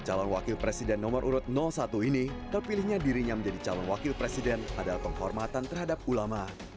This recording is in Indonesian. calon wakil presiden nomor urut satu ini terpilihnya dirinya menjadi calon wakil presiden adalah penghormatan terhadap ulama